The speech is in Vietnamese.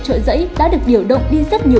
trợ giấy đã được điều động đi rất nhiều